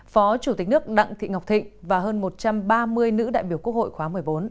phó chủ tịch nước đặng thị ngọc thịnh và hơn một trăm ba mươi nữ đại biểu quốc hội khóa một mươi bốn